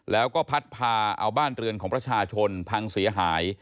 แล้วก็พัดพาเอาบ้านเรือนของประชาชนพังเสียหาย